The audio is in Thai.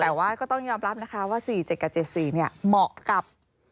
แต่ว่าก็ต้องยอมรับนะคะว่า๔๗กับ๗๔เหมาะกับ